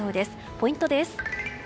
ポイントです。